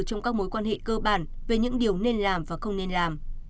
trong các mối quan hệ cơ bản về những điều nên làm và không nên làm